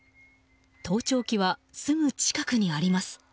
盗聴器はすぐ近くにあります。